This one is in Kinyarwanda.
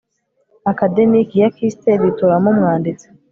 akademiki ya kist bitoramo umwanditsi